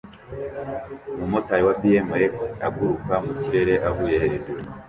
Umumotari wa BMX aguruka mu kirere avuye hejuru